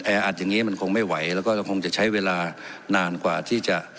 แออัดอย่างนี้มันคงไม่ไหวแล้วก็เราคงจะใช้เวลานานกว่าที่จะ